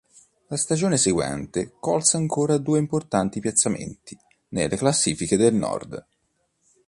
La stagione seguente colse ancora due importanti piazzamenti nelle "Classiche del Nord".